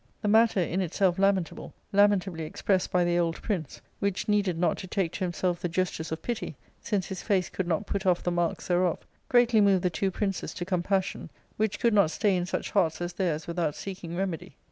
'^^" The matter, in itself lamentable, lamentably expressed by the old prince — ^which needed not to take to himself the gestures of pity, since his face could not put off the marks thereof— greatly moved the two princes to compassion, which could not stay in such hearts as theirs without seeking jFcmedy.